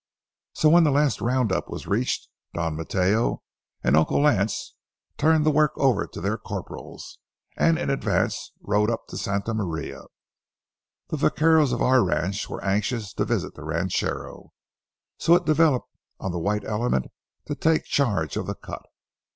So when the last round up was reached, Don Mateo and Uncle Lance turned the work over to their corporals, and in advance rode up to Santa Maria. The vaqueros of our ranch were anxious to visit the rancho, so it devolved on the white element to take charge of the cut.